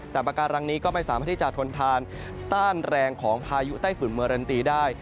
แต่ปากการังนี้ก็ไม่สามารถที่จะทนทานต้านแรงของพายุไต้ฝุ่นเมอรันตีได้